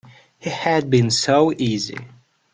He had been so easy.